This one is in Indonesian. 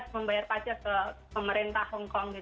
membayar pajak ke pemerintah hongkong